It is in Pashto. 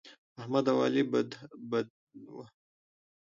احمد او علي بدلک وهلی دی.